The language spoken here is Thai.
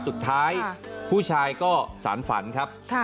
สุดท้ายผู้ชายก็สารฝันครับ